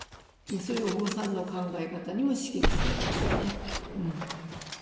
そういうお坊さんの考え方にも刺激されましたねうん。